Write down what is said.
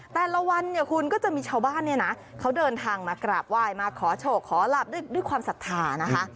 แต่ละวันเนี่ยคุณก็จะมีชาวบ้านเนี่ยนะเขาเดินทางมากราบไหว้มาขอโชคขอหลับด้วยความศรัทธานะคะ